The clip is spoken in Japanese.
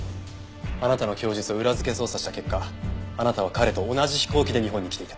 あなたの供述を裏付け捜査した結果あなたは彼と同じ飛行機で日本に来ていた。